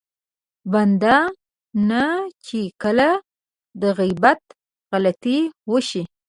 بنده نه چې کله د غيبت غلطي وشي.